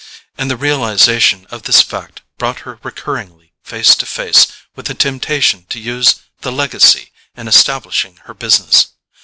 And the realization of this fact brought her recurringly face to face with the temptation to use the legacy in establishing her business.